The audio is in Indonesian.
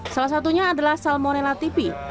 salah satunya adalah salmonella tv